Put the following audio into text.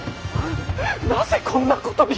なぜこんなことに。